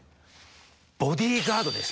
ボディガードですね。